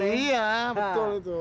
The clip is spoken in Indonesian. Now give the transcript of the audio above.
oh iya betul itu